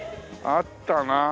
あったなあ。